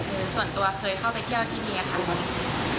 ส่วนตัวเคยเข้าไปเที่ยวที่นี่ค่ะ